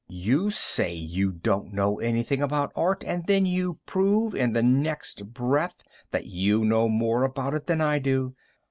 "You say you don't know anything about art, and then you prove in the next breath that you know more about it than I do!